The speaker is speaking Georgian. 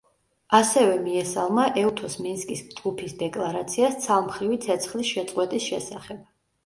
ასევე მიესალმა ეუთოს მინსკის ჯგუფის დეკლარაციას ცალმხრივი ცეცხლის შეწყვეტის შესახებ.